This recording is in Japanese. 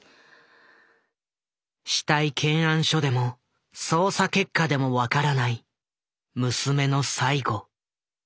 死体検案書でも捜査結果でも分からない娘の最期。